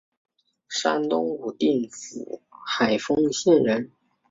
山东武定府海丰县人。